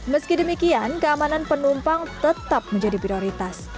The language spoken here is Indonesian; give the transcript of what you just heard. meski demikian keamanan penumpang tetap menjadi prioritas